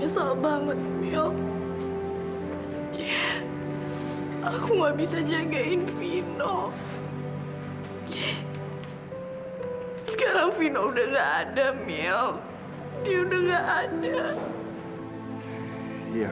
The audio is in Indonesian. sampai jumpa di video selanjutnya